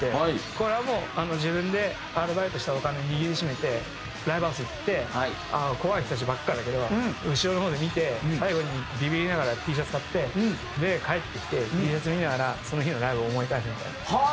これは自分でアルバイトしたお金握りしめてライブハウス行って怖い人たちばっかだけど後ろの方で見て最後にビビりながらＴシャツ買ってで帰ってきてＴシャツ見ながらその日のライブを思い返すみたいな。